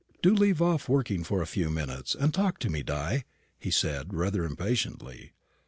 "Do leave off working for a few minutes, and talk to me, Di," he said rather impatiently.